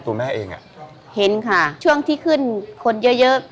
ตัวแม่เองอ่ะเห็นค่ะช่วงที่ขึ้นคนเยอะเยอะ